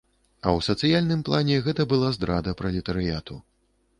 А ў сацыяльным плане гэта была здрада пралетарыяту.